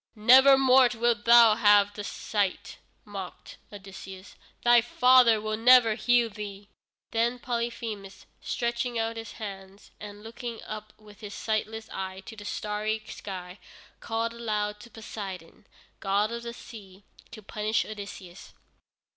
"Never more wilt thou have thy sight," mocked Odysseus; "thy father will never heal thee." Then Polyphemus, stretching out his hands, and looking up with his sightless eye to the starry sky, called aloud to Poseidon, god of the sea, to punish Odysseus.